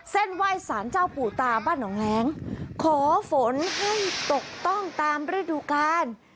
เส้นไหว้สารเจ้าปู่ตาบ้านหนองแร้งขอฝนให้ตกต้องตามฤดูกาล